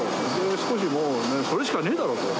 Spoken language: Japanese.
少しもう、それしかねえだろと。